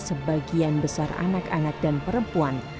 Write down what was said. sebagian besar anak anak dan perempuan